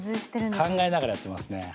考えながらやってますね。